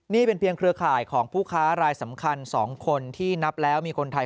นี่เป็นเพียงเครือข่ายของผู้ค้ารายสำคัญ๒คนที่นับแล้วมีคนไทย